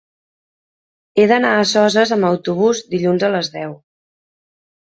He d'anar a Soses amb autobús dilluns a les deu.